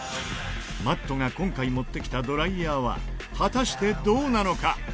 Ｍａｔｔが今回持ってきたドライヤーは果たしてどうなのか？